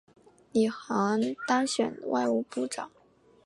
李璜当选为外务部长。